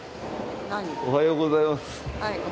おはようございます。